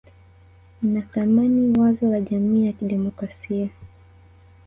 Ninathamini wazo la jamii ya kidemokrasia